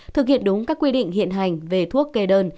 thực hiện đúng các quy định hiện hành về thuốc kê đơn